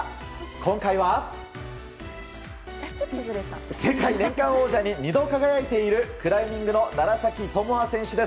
今回は、世界年間王者に２回輝いているクライミングの楢崎智亜選手です。